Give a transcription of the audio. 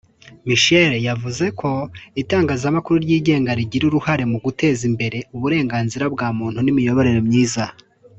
Michelle yavuze ko itangazamakuru ryigenga rigira uruhare mu guteza imbere uburenganzira bwa muntu n’ imiyoborere myiza